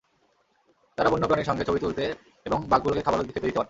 তাঁরা বন্য প্রাণীর সঙ্গে ছবি তুলতে এবং বাঘগুলোকে খাবারও খেতে দিতে পারতেন।